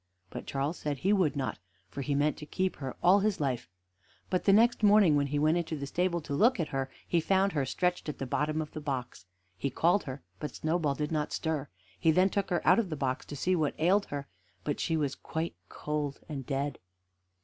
But Charles said he would not, for he meant to keep her all his life; but the next morning, when he went into the stable to look at her, he found her stretched at the bottom of the box. He called her, but Snowball did not stir; he then took her out of the box to see what ailed her; but she was quite cold and dead.